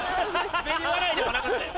スベり笑いではなかったよ